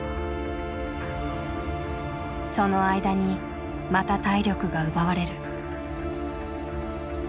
その間にまた体力が奪われる。